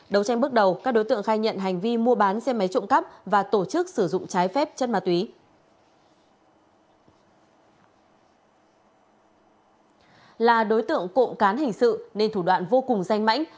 là đối tượng cộng cán hình sự nên thủ đoạn vô cùng danh mãnh